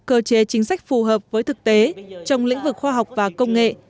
cơ chế chính sách phù hợp với thực tế trong lĩnh vực khoa học và công nghệ